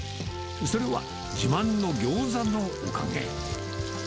それは、自慢のギョーザのおかげ。